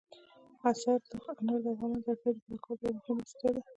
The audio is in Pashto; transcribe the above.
انار د افغانانو د اړتیاوو د پوره کولو یوه مهمه وسیله ده.